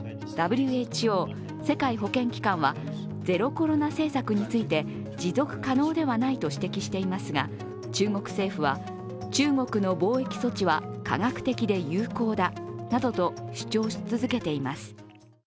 ＷＨＯ＝世界保健機関はゼロコロナ政策について持続可能ではないと指摘していますが、中国政府は、中国の防疫措置は科学的で有効だなどと主張し続けています。